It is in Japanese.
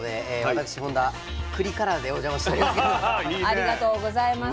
ありがとうございます。